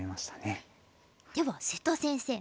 では瀬戸先生